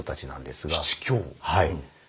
はい。